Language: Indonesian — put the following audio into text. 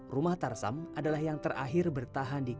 rumah tarsam adalah yang terakhir bertahan di kota